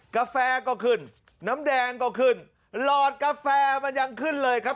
กาแฟก็ขึ้นน้ำแดงก็ขึ้นหลอดกาแฟมันยังขึ้นเลยครับ